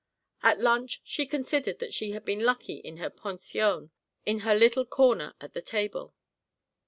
At lunch she considered that she had been lucky in her pension, in her little corner at the table.